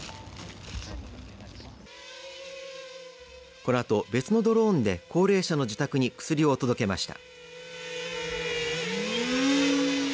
このあと、別のドローンで高齢者の自宅に薬を届けました。